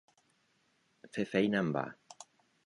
Fer feina en va.